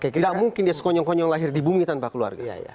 tidak mungkin dia sekonyong konyong lahir di bumi tanpa keluarga